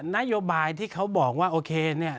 นโยบายที่เขาบอกว่าโอเคเนี่ย